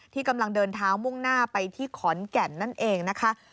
กำลังเดินเท้ามุ่งหน้าไปที่ขอนแก่นนั่นเองนะคะ